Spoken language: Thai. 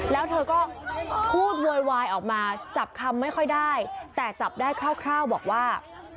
แล้วเธอก็พูดโวยวายออกมาจับคำไม่ค่อยได้แต่จับได้คร่าวบอกว่า